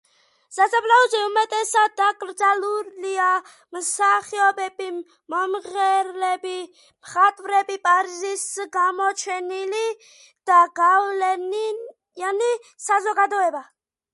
სასაფლაოზე უმეტესად დაკრძალულია მსახიობები, მომღერლები, მხატვრები, პარიზის გამოჩენილი და გავლენიანი საზოგადოება.